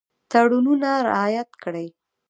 تړونونه رعایت کړي.